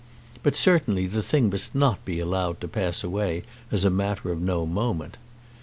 But certainly the thing must not be allowed to pass away as a matter of no moment.